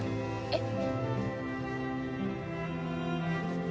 えっ？